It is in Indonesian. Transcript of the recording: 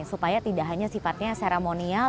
supaya tidak hanya sifatnya seremonial